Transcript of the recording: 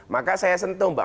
maka saya sentuh mbak